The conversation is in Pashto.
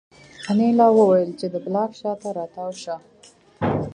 انیلا وویل چې د بلاک شا ته را تاو شه